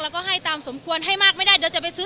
แล้วก็ให้ตามสมควรให้มากไม่ได้เดี๋ยวจะไปซื้อ